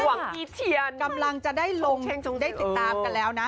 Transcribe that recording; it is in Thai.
หวังที่เฉียนกำลังจะได้ลงได้ติดตามกันแล้วนะ